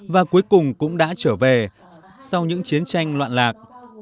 và cuối cùng cũng đã trở về sau những chiến tranh loạn lạc